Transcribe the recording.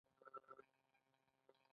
پهلواني زموږ لرغونی کلتور دی.